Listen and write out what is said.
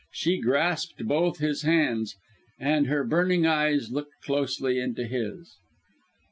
She grasped both his hands, and her burning eyes looked closely into his.